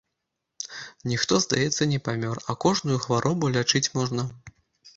Ніхто, здаецца, не памёр, а кожную хваробу лячыць можна.